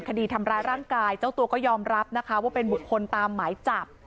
คดีทำร้ายร่างกายเจ้าตัวก็ยอมรับนะคะว่าเป็นบุคคลตามหมายจับ